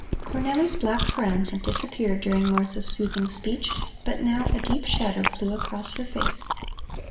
Cornelli's black frown had disappeared during Martha's soothing speech, but now a deep shadow flew across her face.